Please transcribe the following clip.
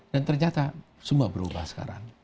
dan ternyata semua berubah sekarang